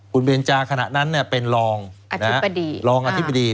คุณเบญจาขณะนั้นเป็นรองอธิบดี